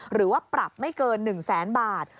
หรือว่าปรับไม่เกิน๑แสนบาท